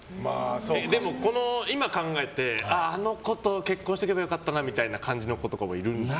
でも、今考えてあの子と結婚しておけば良かったとかの感じの子とかもいるんですか。